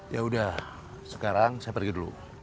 yaudah sekarang saya pergi dulu